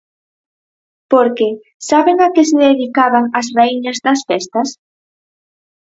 Porque ¿saben a que se dedicaban as raíñas das festas?